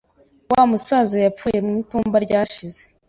Wa musaza yapfuye mu itumba ryashize.